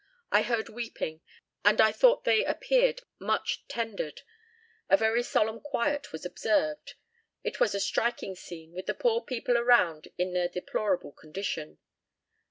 I heard weeping, and I thought they appeared much tendered. A very solemn quiet was observed; it was a striking scene, with the poor people around in their deplorable condition."